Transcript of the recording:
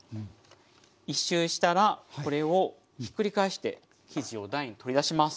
１周したらこれをひっくり返して生地を台に取り出します。